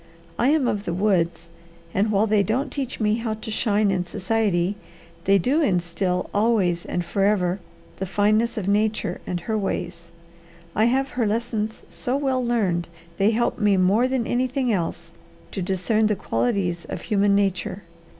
I am of the woods, and while they don't teach me how to shine in society, they do instil always and forever the fineness of nature and her ways. I have her lessons so well learned they help me more than anything else to discern the qualities of human nature.